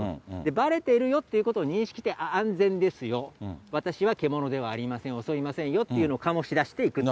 ばれているよっていうことを認識して、安全ですよ、私は獣ではありません、襲いませんよっていうのを醸し出していくと。